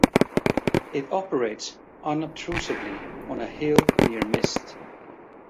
It operates unobtrusively on a hill near Mist.